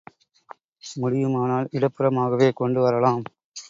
முடியுமானால், இடப்புறமாகவே கொண்டு வரலாம்.